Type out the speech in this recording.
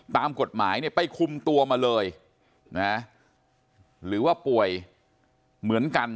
ตามกฎหมายเนี่ยไปคุมตัวมาเลยนะหรือว่าป่วยเหมือนกัน